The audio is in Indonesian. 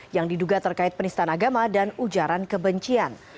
yang diduga terkait penistaan agama dan ujaran kebencian